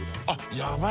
やばい！